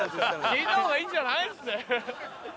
「聞いた方がいいんじゃない？」っつって。